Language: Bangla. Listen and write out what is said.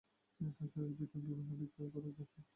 তিনি তার শরীরের ভিতর বিভিন্ন বিক্রিয়া করেই যাচ্ছেন।